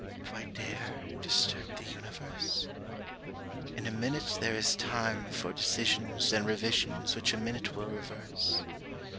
â) Do I dare Disturb the universe? In a minute there is time For decisions and revisions which a minute will reverse.